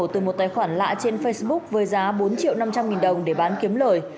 từ một tài khoản lạ trên facebook với giá bốn triệu năm trăm linh nghìn đồng để bán kiếm lời